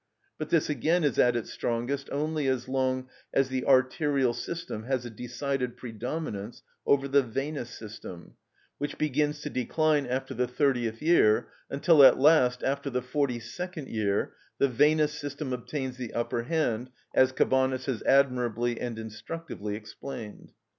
But this again is at its strongest only as long as the arterial system has a decided predominance over the venous system, which begins to decline after the thirtieth year, until at last, after the forty second year, the venous system obtains the upper hand, as Cabanis has admirably and instructively explained.